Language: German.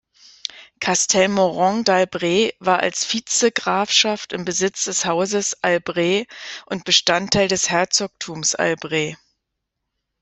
Castelmoron-d’Albret war als Vizegrafschaft im Besitz des Hauses Albret und Bestandteil des Herzogtums Albret.